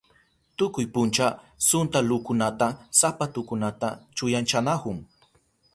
Tukuy puncha suntalukunaka sapatukunata chuyanchanahun.